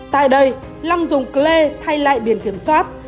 tại đây long dùng cl thay lại biển kiểm soát